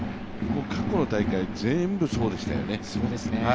過去の大会、全部そうでしたよね。